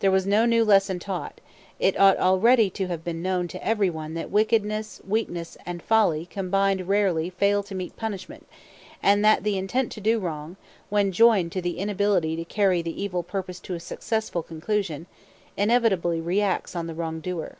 There was no new lesson taught; it ought already to have been known to every one that wickedness, weakness, and folly combined rarely fail to meet punishment, and that the intent to do wrong, when joined to inability to carry the evil purpose to a successful conclusion, inevitably reacts on the wrongdoer.